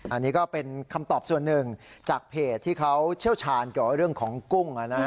อันนี้ก็เป็นคำตอบส่วนหนึ่งจากเพจที่เขาเชี่ยวชาญเกี่ยวกับเรื่องของกุ้ง